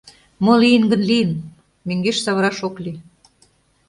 Мо лийын гын, лийын, мӧҥгеш савыраш ок лий...